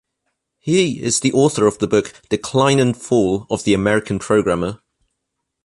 He is the author of the book "Decline and Fall of the American Programmer".